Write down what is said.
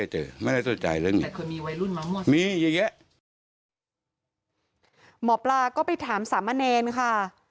หมอปลาก็ไปถามสามเณรค่ะ